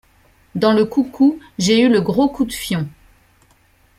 Dans le coucou, j’ai eu le gros coup de fion.